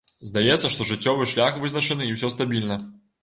Здаецца, што жыццёвы шлях вызначаны і усё стабільна.